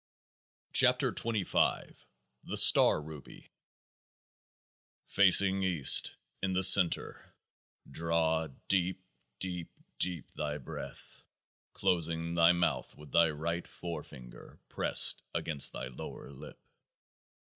33 KEOAAH KE THE STAR RUBY Facing East, in the centre, draw deep deep deep thy breath, closing thy mouth with thy right forefinger prest against thy lower lip.